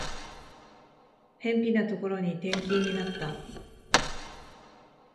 辺ぴなところに転勤になった